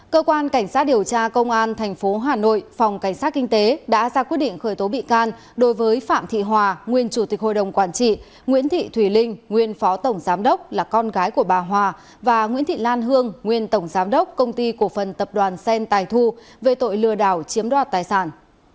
cơ quan cảnh sát điều tra công an tp hà nội phòng cảnh sát kinh tế đã ra quyết định khởi tố bị can đối với phạm thị hòa nguyên chủ tịch hội đồng quản trị nguyễn thị thùy linh nguyên phó tổng giám đốc là con gái của bà hòa và nguyễn thị lan hương nguyên tổng giám đốc công ty cổ phần tập đoàn sen tài thu về tội lừa đảo chiếm đoạt tài sản